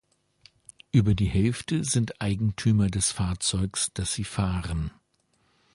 Über die Hälfte sind Eigentümer des Fahrzeugs, das sie fahren.